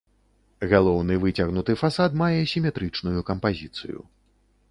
Галоўны выцягнуты фасад мае сіметрычную кампазіцыю.